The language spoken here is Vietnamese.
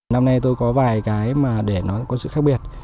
năm nay tôi có vài cái mà để nó có sự khác biệt